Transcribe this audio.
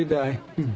うん。